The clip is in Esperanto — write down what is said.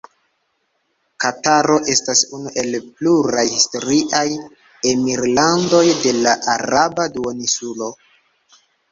Kataro estas unu el pluraj historiaj emirlandoj de la Araba Duoninsulo.